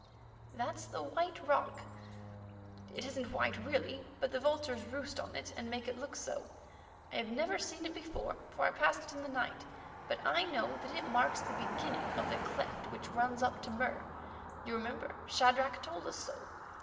"That's the White Rock; it isn't white really, but the vultures roost on it and make it look so. I have never seen it before, for I passed it in the night, but I know that it marks the beginning of the cleft which runs up to Mur; you remember, Shadrach told us so.